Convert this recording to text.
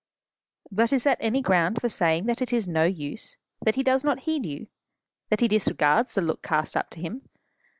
"But is that any ground for saying that it is no use that he does not heed you? that he disregards the look cast up to him?